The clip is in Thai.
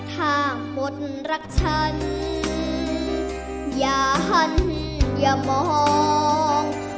ข้างบนรักฉันอย่าหันอย่ามอง